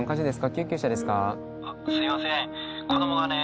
救急車ですか？